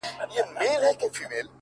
جنت د حورو دی ـ دوزخ د سيطانانو ځای دی ـ